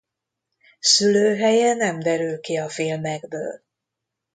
Szülőhelye nem derül ki a filmekből.